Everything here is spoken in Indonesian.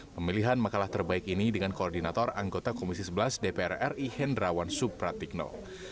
pemilihan makalah terbaik ini dengan koordinator anggota komisi sebelas dpr ri hendrawan supratikno